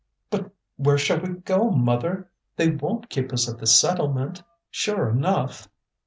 "But where shall we go, mother? They won't keep us at the settlement, sure enough."